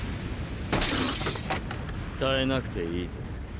伝えなくていいぜ。